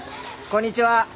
こんにちは。